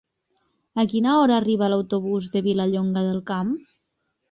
A quina hora arriba l'autobús de Vilallonga del Camp?